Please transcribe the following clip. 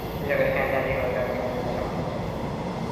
কিন্তু যখনই সে রাজি হইল তখনই তাহার সমস্ত উৎসাহ চলিয়া গেল।